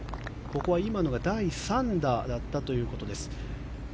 ここは今のが第３打だったということです。